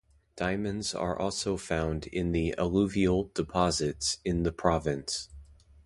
Diamonds are also found in the alluvial deposits in the province.